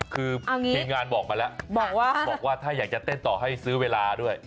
คือทีมงานบอกมาแล้วบอกว่าถ้าอยากจะเต้นต่อให้ซื้อเวลาด้วย